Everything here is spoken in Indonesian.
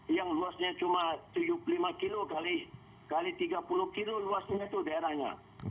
yang luasnya cuma tujuh puluh lima km x tiga puluh km luasnya itu daerahnya